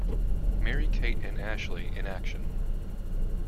Mary-Kate and Ashley in Action!